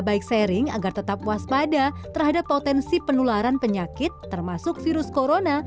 baik sharing agar tetap waspada terhadap potensi penularan penyakit termasuk virus corona